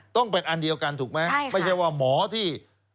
ต้องเป็นอันเดียวกันถูกไหมไม่ใช่ว่าหมอที่